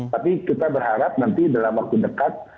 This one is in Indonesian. tapi kita berharap nanti dalam waktu dekat